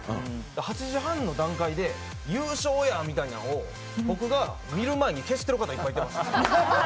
８時半の段階で「優勝やん」みたいなものを僕が見る前に消している方、いっぱいいました。